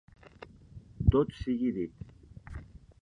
Tot sigui dit: